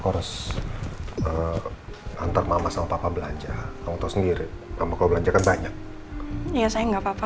harus ntar mama sama papa belanja untuk sendiri sama kau belanjakan banyak ya saya nggak papa